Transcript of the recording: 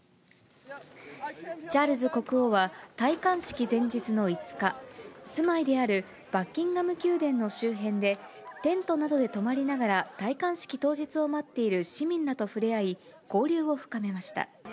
チャールズ国王は、戴冠式前日の５日、住まいであるバッキンガム宮殿の周辺で、テントなどで泊まりながら、戴冠式当日を待っている市民らと触れ合い、交流を深めました。